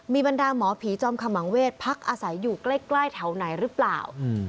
บรรดาหมอผีจอมขมังเวศพักอาศัยอยู่ใกล้แถวไหนหรือเปล่า